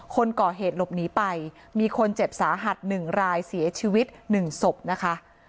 คนก่อเหตุหลบหนีไปมีคนเจ็บสาหัส๑รายเสียชีวิต๑ศพนะคะ